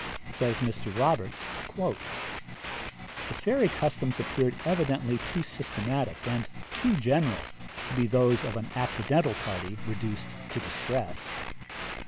Says Mr. Roberts: 'The fairy customs appeared evidently too systematic, and too general, to be those of an accidental party reduced to distress.